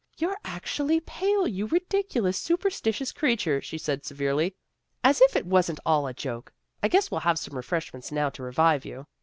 " You're actually pale, you ridiculous, super stitious creature," she said severely. " As if it wasn't all a joke. I guess we'll have some refreshments now to revive you."